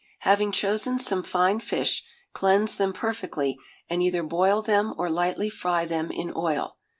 Having chosen some fine fish, cleanse them perfectly, and either boil them or lightly fry them in oil.